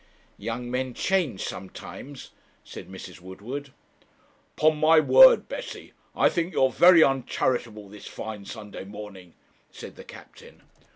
'Young men change sometimes,' said Mrs. Woodward. 'Upon my word, Bessie, I think you are very uncharitable this fine Sunday morning,' said the captain.